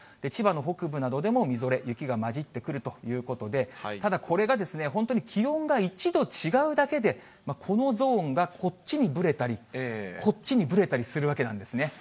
千葉の北部などでもみぞれ、雪が交じってくるということで、ただこれが、本当に気温が１度違うだけで、このゾーンがこっちにぶれたり、こっちにぶれたりするわけなんですね。